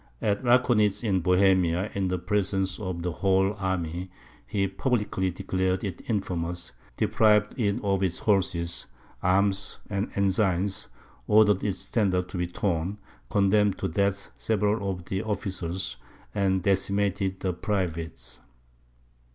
At Raconitz in Bohemia, in presence of the whole army, he publicly declared it infamous, deprived it of its horses, arms, and ensigns, ordered its standards to be torn, condemned to death several of the officers, and decimated the privates.